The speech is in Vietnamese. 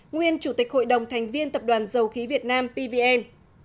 nguyên chủ tịch hội đồng thành viên tập đoàn dầu khí việt nam pvn